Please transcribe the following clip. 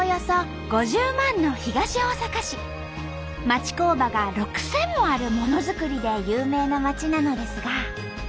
町工場が６，０００もあるモノづくりで有名な町なのですが